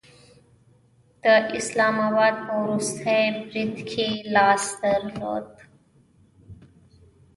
د اسلام آباد په وروستي برید کې یې لاس درلود